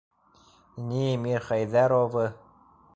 Ни Мирхәйҙәровы...